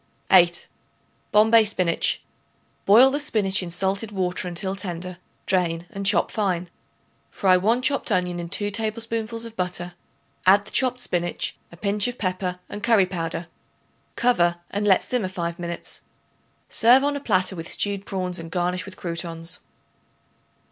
8. Bombay Spinach. Boil the spinach in salted water until tender; drain and chop fine. Fry 1 chopped onion in 2 tablespoonfuls of butter; add the chopped spinach, a pinch of pepper and curry powder. Cover and let simmer five minutes. Serve on a platter with stewed prawns and garnish with croutons.